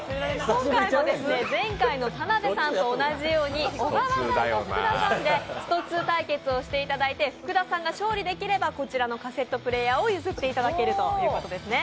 今回も前回の田辺さんと同じように小川さんと福田さんで「ストⅡ」対決をしていただい福田さんが勝利できれば、こちらのカセットプレーヤーを譲っていただけるということですね。